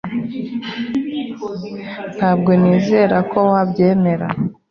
Ntabwo nizera ko wabyemera .